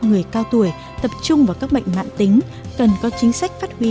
người cao tuổi tập trung vào các bệnh mạng tính cần có chính sách phát huy